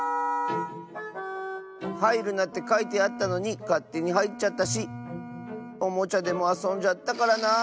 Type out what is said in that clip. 「はいるな！」ってかいてあったのにかってにはいっちゃったしおもちゃでもあそんじゃったからなあ。